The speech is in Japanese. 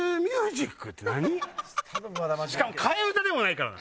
しかも替え歌でもないからな。